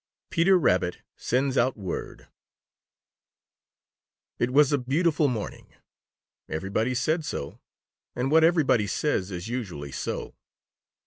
VIII PETER RABBIT SENDS OUT WORD It was a beautiful morning. Everybody said so, and what everybody says is usually so.